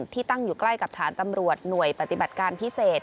ที่ตั้งอยู่ใกล้กับฐานตำรวจหน่วยปฏิบัติการพิเศษ